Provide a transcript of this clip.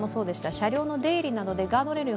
車両の出入りなどでガードレールを